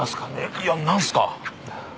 いや何すか？